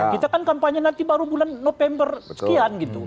kita kan kampanye nanti baru bulan november sekian gitu